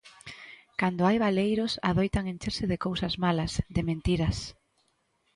Cando hai baleiros, adoitan encherse de cousas malas, de mentiras.